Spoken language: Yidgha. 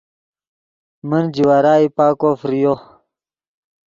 من جوارائی پاکو فریو